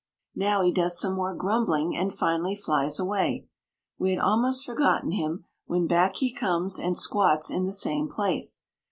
Now he does some more grumbling and finally flies away. We had almost forgotten him, when back he comes and squats in the same place.